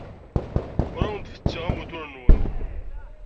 Ur awen-d-fessiɣ amutur-nwen.